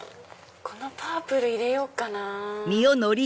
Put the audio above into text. このパープル入れようかな。